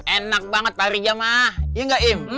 enak banget pak riza mah iya nggak im